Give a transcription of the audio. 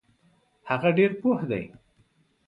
هغه ډیر پوه دی.